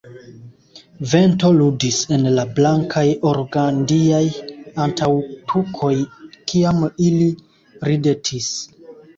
Vento ludis en la blankaj organdiaj antaŭtukoj kiam ili ridetis.